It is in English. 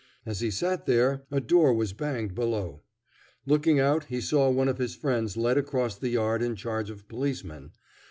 As he sat there a door was banged below. Looking out he saw one of his friends led across the yard in charge of policemen.